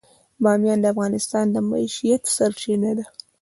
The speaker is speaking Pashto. بامیان د افغانانو د معیشت سرچینه ده.